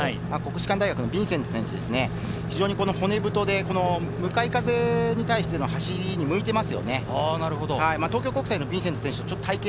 国士館大学のヴィンセント選手、骨太で向かい風に対しての走りにも向いています。